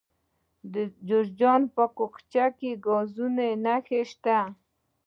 د جوزجان په اقچه کې د ګازو نښې شته.